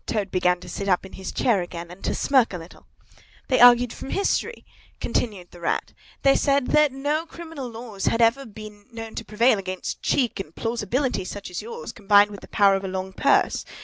Toad began to sit up in his chair again, and to smirk a little. "They argued from history," continued the Rat. "They said that no criminal laws had ever been known to prevail against cheek and plausibility such as yours, combined with the power of a long purse.